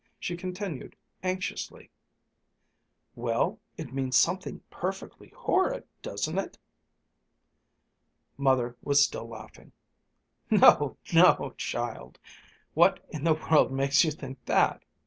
She continued anxiously, "Well, it means something perfectly horrid, doesn't it?" Mother was still laughing. "No, no, child, what in the world makes you think that?"